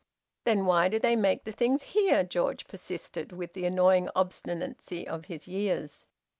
"Then why do they make the things here?" George persisted; with the annoying obstinacy of his years.